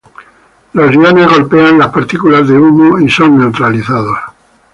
Los iones golpean las partículas de humos y son neutralizados.